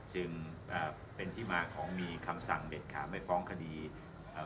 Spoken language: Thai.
จึงเอ่อเป็นที่มาของมีคำสั่งเด็ดขาดไม่ฟ้องคดีเอ่อ